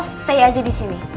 stay aja disini